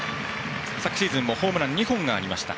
昨シーズンもホームラン２本がありました